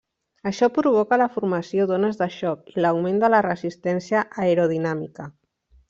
Això provoca la formació d'ones de xoc i l'augment de la resistència aerodinàmica.